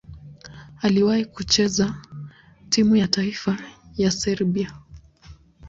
Aliwahi kucheza timu ya taifa ya Serbia.